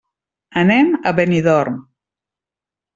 Anem a Benidorm.